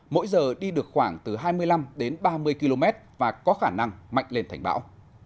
mỗi giờ đi được khoảng từ hai mươi năm đến ba mươi km và có khả năng mạnh lên thành bão